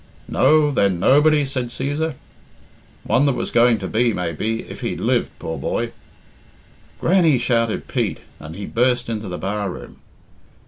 "No, then, nobody?" said Cæsar. "One that was going to be, maybe, if he'd lived, poor boy " "Grannie!" shouted Pete, and he burst into the bar room.